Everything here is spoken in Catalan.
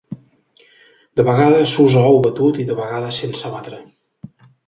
De vegades s'usa ou batut, i de vegades sense batre.